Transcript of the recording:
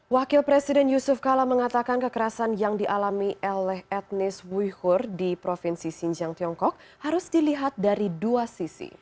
wakil presiden yusuf kala mengatakan kekerasan yang dialami oleh etnis wihur di provinsi xinjiang tiongkok harus dilihat dari dua sisi